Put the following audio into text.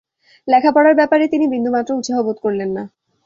লেখা পড়ার ব্যাপারে তিনি বিন্দুমাত্র উৎসাহ বোধ করলেন না।